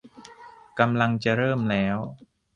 กำลังจะเริ่มแล้ว